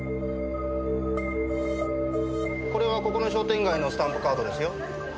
これはここの商店街のスタンプカードですよ。